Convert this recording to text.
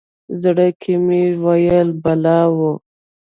زړه کې مې ویل بلا وه.